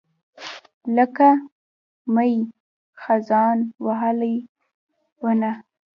لکه مئ، خزان وهلې ونه